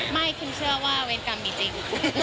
ไม่ครีมเชื่อว่าเป็นกรรมมีจริง